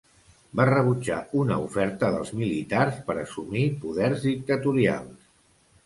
Va rebutjar una oferta dels militars per assumir poders dictatorials.